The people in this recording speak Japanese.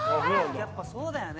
やっぱそうだよね。